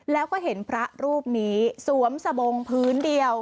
แล้วก็เห็นพระรูปนี้สวมสบงพื้นเดียว